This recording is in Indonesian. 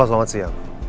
halo selamat siang